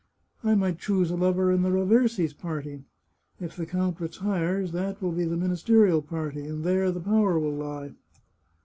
" I might choose a lover in the Raversi's party. If the count retires, that will be the ministerial party, and there the power will lie.